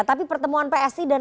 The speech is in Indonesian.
tapi pertemuan psi dan pak prabowo